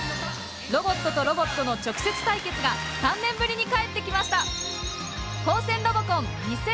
ロボットとロボットの直接対決が３年ぶりに帰ってきました。